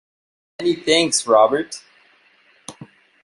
Many thanks, Robert.